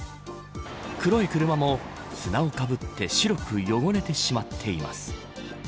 黒い車も砂をかぶって白く汚れてしまっています。